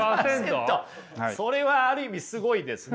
それはある意味すごいですね。